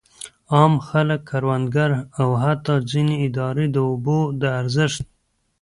عام خلک، کروندګر او حتی ځینې ادارې د اوبو د ارزښت.